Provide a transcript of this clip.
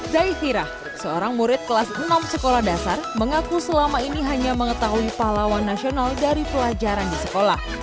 zaifirah seorang murid kelas enam sekolah dasar mengaku selama ini hanya mengetahui pahlawan nasional dari pelajaran di sekolah